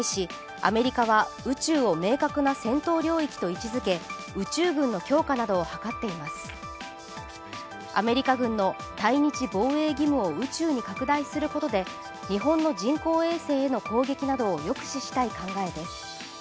アメリカ軍の対日防衛義務を宇宙に拡大することで日本の人工衛星への攻撃などを抑止したい考えです。